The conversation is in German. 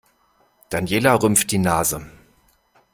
Daniela rümpft die Nase.